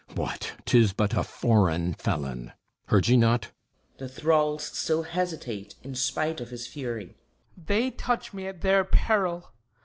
What, 'Tis but a foreign felon! Heard ye not? [The thralls still hesitate in spite of his fury.] HIPPOLYTUS They touch me at their peril!